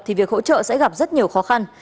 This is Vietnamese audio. thì việc hỗ trợ sẽ gặp rất nhiều khó khăn